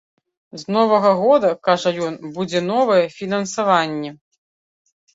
З новага года, кажа ён, будзе новае фінансаванне.